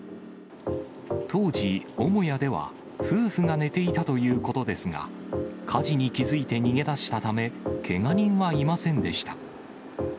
当時、母屋では夫婦が寝ていたということですが、火事に気付いて逃げ出したため、けが人はいませんでした。